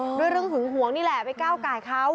โดยเรื่องความหึงห่วงนี่แหละไปก้าวกายเขา